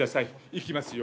いきますよ。